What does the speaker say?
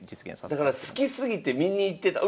だから好きすぎて見に行ってた。